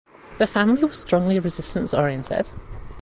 The family was strongly resistance oriented.